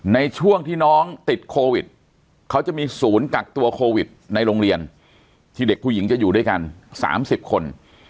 ในช่วงที่น้องติดโควิดเขาจะมีศูนย์กักตัวโควิดในโรงเรียนที่เด็กผู้หญิงจะอยู่ด้วยกัน๓๐คน